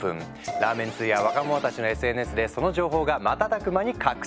ラーメン通や若者たちのＳＮＳでその情報が瞬く間に拡散。